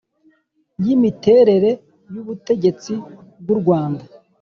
y imiterere y ubutegetsi bw’ u Rwanda